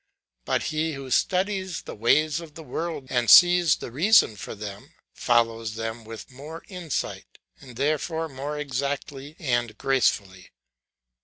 But he who studies the ways of the world and sees the reason for them, follows them with more insight, and therefore more exactly and gracefully.